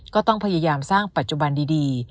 ก็ต้องพยายามสร้างปัจจุบันดี